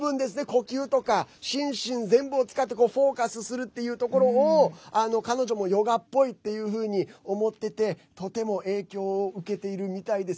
呼吸とか、心身全部を使ってフォーカスするっていうところを彼女もヨガっぽいというふうに思っててとても影響を受けているみたいです。